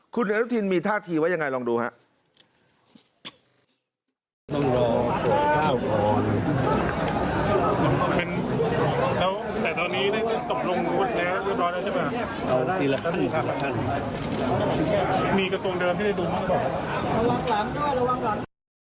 คุณอนุทินมีท่าทีว่ายังไงลองดูครับ